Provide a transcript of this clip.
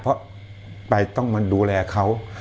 เพราะไปต้องมาดูแลเขา